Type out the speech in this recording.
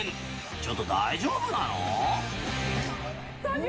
ちょっと大丈夫なの？